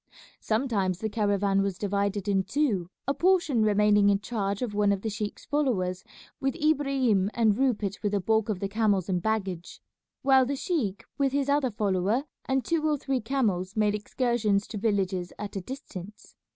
Sometimes the caravan was divided in two, a portion remaining in charge of one of the sheik's followers with Ibrahim and Rupert with the bulk of the camels and baggage, while the sheik with his other follower and two or three camels made excursions to villages at a distance.